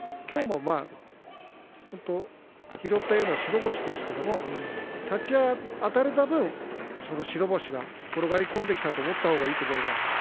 きょうは拾ったような白星ですけども立ち合い、あたれた分白星が転がり込んできたと思ったほうがいいと思います。